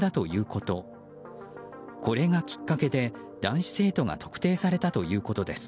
これがきっかけで男子生徒が特定されたということです。